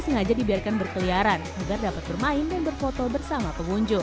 sengaja dibiarkan berkeliaran agar dapat bermain dan berfoto bersama pengunjung